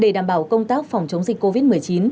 để đảm bảo công tác phòng chống dịch covid một mươi chín